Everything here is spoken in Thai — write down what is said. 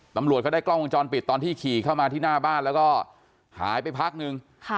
ตำรวจเขาได้กล้องวงจรปิดตอนที่ขี่เข้ามาที่หน้าบ้านแล้วก็หายไปพักนึง